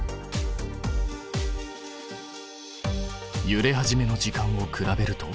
ゆれ始めの時間を比べると？